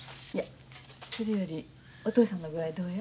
それよりお父さんの具合どうや？